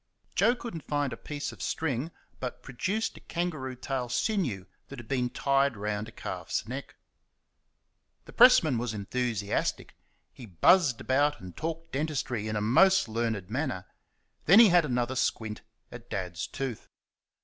Joe could n't find a piece of string, but produced a kangaroo tail sinew that had been tied round a calf's neck. The pressman was enthusiastic. He buzzed about and talked dentistry in a most learned manner. Then he had another squint at Dad's tooth.